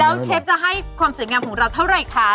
แล้วเชฟจะให้ความสวยงามของเราเท่าไหร่คะ